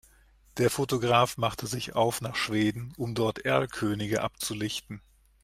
Der Fotograf machte sich auf nach Schweden, um dort Erlkönige abzulichten.